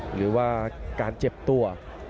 หรือว่าการเจ็บตัว